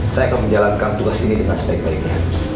saya akan menjalankan tugas ini dengan sebaik baiknya